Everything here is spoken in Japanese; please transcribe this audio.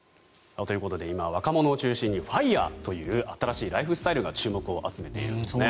ということで今若者を中心にＦＩＲＥという新しいライフスタイルが注目を集めているんですね。